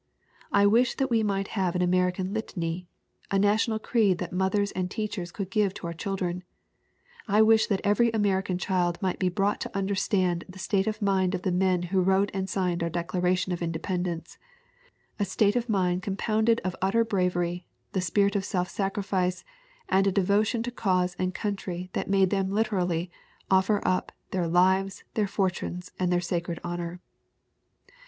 I wish that we might have an Amer ican litany a national creed that mothers and teach ers could give to our children! I wish that every American child might be brought to understand the state of mind of the men who wrote and signed our Declaration of Independence a state of mind com pounded of utter bravery, the spirit of self sacrifice, and a devotion to cause and country that made them literally offer up their 'lives, their fortunes and their sacred honor.'